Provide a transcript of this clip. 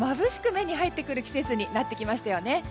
目に入ってくる季節になってきましたよね。